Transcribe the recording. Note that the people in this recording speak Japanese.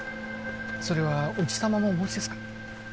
それは伯父様もお持ちですか？